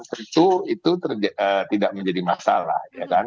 tentu itu tidak menjadi masalah ya kan